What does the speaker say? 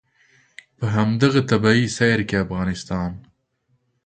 په همدغه طبعي سیر کې افغانستان.